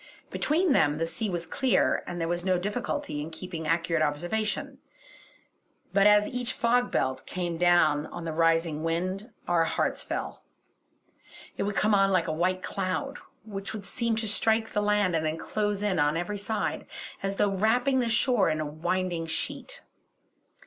Between them the sea was clear, and there was no difficulty in keeping accurate observation; but as each fog belt came down on the rising wind our hearts fell. It would come on like a white cloud, which would seem to strike the land and then close in on every side, as though wrapping the shore in a winding sheet.